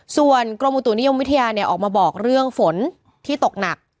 ส่วนกรมอุตุนิยมวิทยาออกมาบอกเรื่องฝนที่ตกหนัก